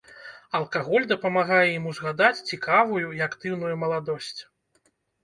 Алкаголь дапамагае ім узгадаць цікавую і актыўную маладосць.